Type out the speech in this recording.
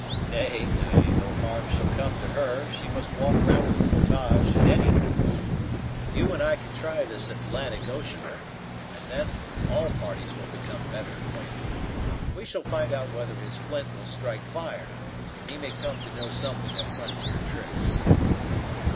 "Nay, nay, no harm shall come to her; she must walk round the portage, at any rate; but you and I can try this Atlantic oceaner, and then all parties will become better acquainted. We shall find out whether his flint will strike fire; and he may come to know something of frontier tricks."